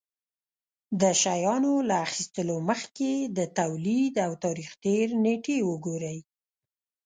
د شيانو له اخيستلو مخکې يې د توليد او تاريختېر نېټې وگورئ.